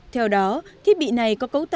theo đó thiết bị này có cấu trúc